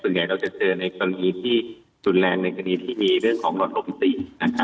ส่วนใหญ่เราจะเจอในคณีที่สูญแรงในคณีที่มีเรื่องของหลอดลมตินะครับ